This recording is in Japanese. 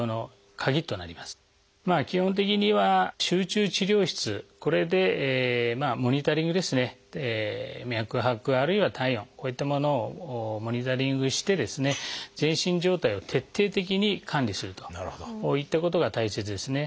基本的には集中治療室これでモニタリング脈拍あるいは体温こういったものをモニタリングして全身状態を徹底的に管理するといったことが大切ですね。